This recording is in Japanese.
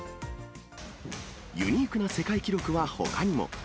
ユニークな世界記録はほかにも。